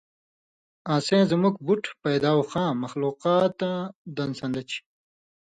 آں سیں زُمُک بُٹ پیداوخاں (مخلوقات) دن سن٘دہ چھی۔